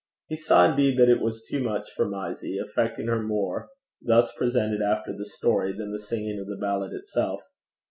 He saw indeed that it was too much for Mysie, affecting her more, thus presented after the story, than the singing of the ballad itself.